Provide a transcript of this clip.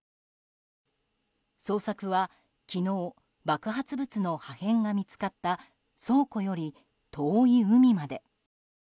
捜索は昨日、爆発物の破片が見つかった倉庫より遠い海まで。